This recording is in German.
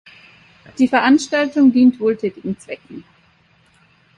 Die Veranstaltung dient wohltätigen Zwecken.